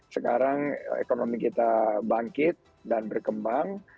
sekarang ekonomi kita bangkit dan berkembang